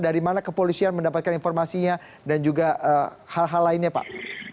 dari mana kepolisian mendapatkan informasinya dan juga hal hal lainnya pak